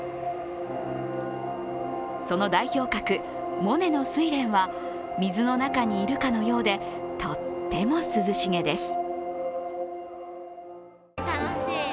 その代表格、モネの「睡蓮」は水の中にいるかのようでとっても涼しげです。